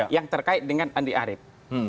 yang terkait dengan andi arief